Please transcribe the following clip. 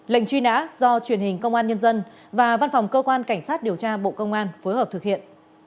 lệnh truy nã do truyền hình công an nhân dân và văn phòng cơ quan cảnh sát điều tra bộ công an phối hợp thực hiện